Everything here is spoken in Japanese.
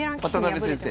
渡辺先生。